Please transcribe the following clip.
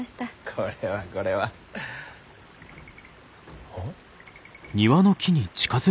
これはこれは。ああ？